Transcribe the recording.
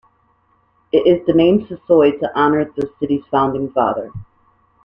It is named Sysoy to honor the city's founding father.